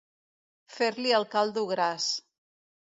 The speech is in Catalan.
Fer-li el caldo gras.